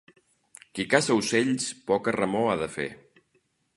Qui caça ocells poca remor ha de fer.